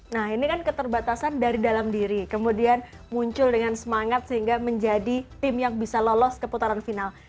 nah ini kan keterbatasan dari dalam diri kemudian muncul dengan semangat sehingga menjadi tim yang bisa lolos ke putaran final